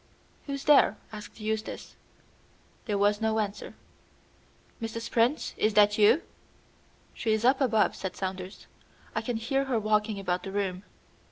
"Who's there?" asked Eustace. There was no answer. "Mrs. Prince, is that you?" "She is up above," said Saunders; "I can hear her walking about the room."